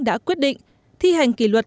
đã quyết định thi hành kỷ luật